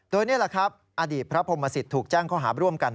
โดยนี่แหละครับอดีตพระพรมศิษย์ถูกแจ้งข้อหาร่วมกัน